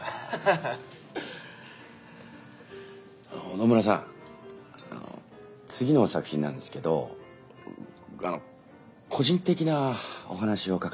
野村さんあの次の作品なんですけどあの個人的なお話を書かせてほしいんです。